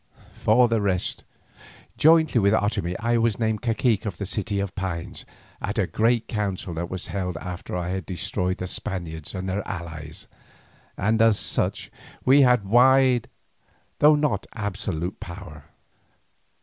For the rest, jointly with Otomie I was named cacique of the City of Pines at a great council that was held after I had destroyed the Spaniards and their allies, and as such we had wide though not absolute power.